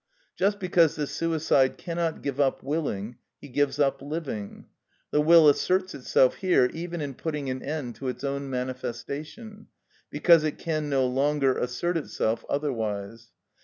Just because the suicide cannot give up willing, he gives up living. The will asserts itself here even in putting an end to its own manifestation, because it can no longer assert itself otherwise.